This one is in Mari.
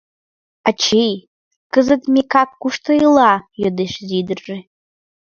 — Ачий, кызыт Микак кушто ила? — йодеш изи ӱдыржӧ.